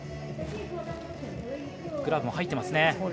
グラブも入っていますね。